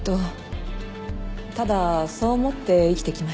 ただそう思って生きてきました。